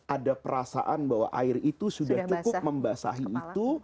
ada perasaan bahwa air itu sudah cukup membasahi itu